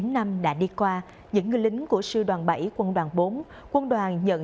bốn mươi chín năm đã đi qua những người lính của sư đoàn bảy quân đoàn bốn